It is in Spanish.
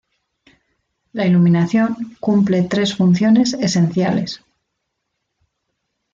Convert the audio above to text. La iluminación cumple tres funciones esenciales.